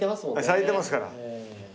咲いてますから。